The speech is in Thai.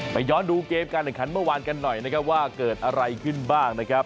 ย้อนดูเกมการแข่งขันเมื่อวานกันหน่อยนะครับว่าเกิดอะไรขึ้นบ้างนะครับ